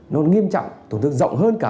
nó nghiêm trọng tổn thương rộng hơn cả